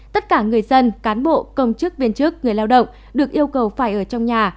tất cả người dân cán bộ công chức viên chức người lao động được yêu cầu phải ở trong nhà